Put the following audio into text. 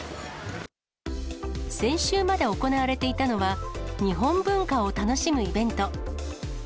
先週まで行われていたのは、日本文化を楽しむイベント。